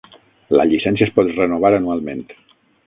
La llicència es pot renovar anualment.